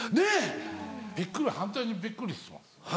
びっくり反対にびっくりしてます。